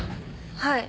はい。